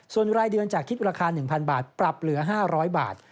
ส่วนรายเดือนจากคิดราคา๑๐๐บาทปรับเหลือ๕๐๐บาท